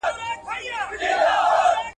که تمرکز وي نو وخت نه ضایع کیږي.